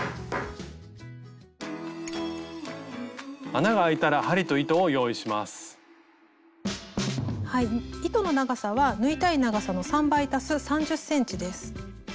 穴があいたら糸の長さは縫いたい長さの３倍足す３０ｃｍです。